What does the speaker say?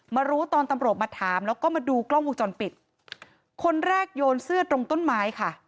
รู้ตอนตำรวจมาถามแล้วก็มาดูกล้องวงจรปิดคนแรกโยนเสื้อตรงต้นไม้ค่ะ